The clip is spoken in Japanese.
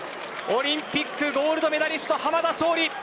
オリンピックゴールドメダリスト濱田尚里。